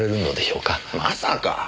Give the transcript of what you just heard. まさか。